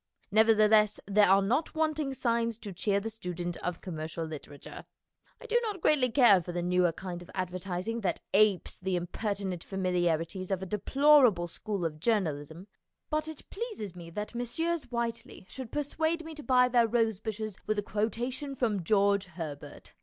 Nevertheless there are not wanting signs to cheer the student of commercial litera ture. I do not greatly care for the newer kind of advertising that apes the impertinent familiarities of a deplorable school of journalism, but it pleases me that Messrs. Whiteley should persuade me to buy their rose bushes with a quotation from George Herbert.